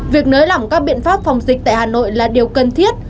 việc nới lỏng các biện pháp phòng dịch tại hà nội là điều cần thiết